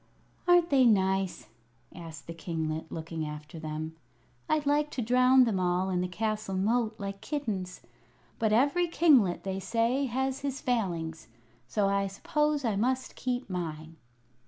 "Aren't they nice?" asked the kinglet, looking after them. "I'd like to drown them all in the castle moat, like kittens; but every kinglet, they say, has his Failings, so I suppose I must keep mine."